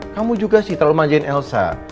kamu juga sih terlalu majain elsa